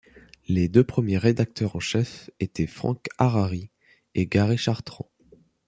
Les deux premiers rédacteurs en chef étaient Frank Harary et Gary Chartrand.